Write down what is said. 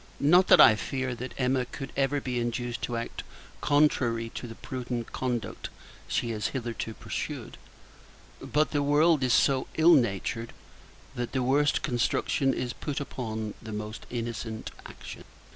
Not that I fear, that Emma could ever be induced to act contrary to the prudent conduct she has hitherto pursued; but the world is so ill natured, that the worst construction is put upon the most innocent actions.